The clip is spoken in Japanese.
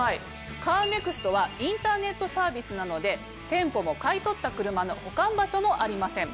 カーネクストはインターネットサービスなので店舗も買い取った車の保管場所もありません。